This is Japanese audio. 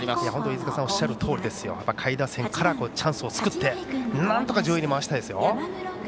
飯塚さんがおっしゃるとおり下位打線からチャンスを作ってなんとか上位に回したいですよ。